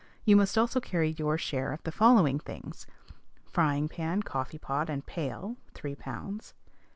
You must also carry your share of the following things: Frying pan, coffee pot, and pail 3 pounds.